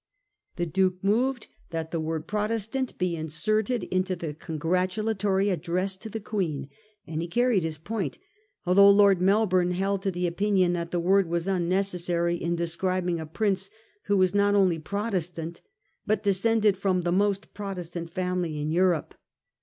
The Duke moved that the word ' Protestant ' he inserted in the congratu latory address to the Queen, and he carried his point, although Lord Melbourne held to the opinion that the word was unn ecessary in describing a Prince who was not only a Protestant but descended from the most Protestant family in Europe.